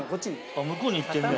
あっ向こうに行ってんね。